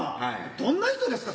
どんな人ですか？